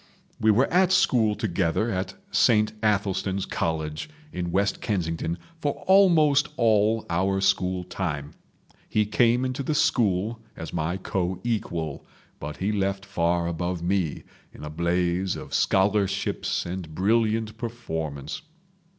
We were at school together at Saint Athelstan's College in West Kensington for almost all our school time. He came into the school as my co equal, but he left far above me, in a blaze of scholarships and brilliant performance.